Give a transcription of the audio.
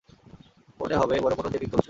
মনে হবে, বড় কোনো চেকিং চলছে।